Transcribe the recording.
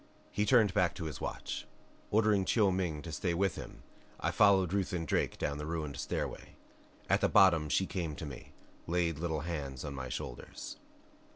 He turned back to his watch. Ordering Chiu Ming to stay with him I followed Ruth and Drake down the ruined stairway. At the bottom she came to me, laid little hands on my shoulders.